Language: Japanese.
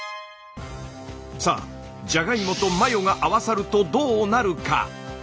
さあじゃがいもとマヨが合わさるとどうなるか？